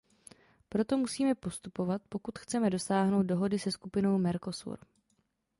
Proto musíme postupovat, pokud chceme dosáhnout dohody se skupinou Mercosur.